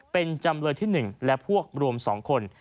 เป็นจำเลยที่๑และพวกรวม๒คน